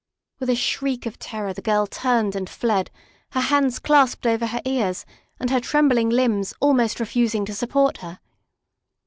With a shriek of terror the girl turned and fled, her hands clasped over her ears and her trembling limbs almost refusing to support her.